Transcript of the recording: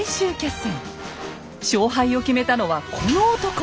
勝敗を決めたのはこの男。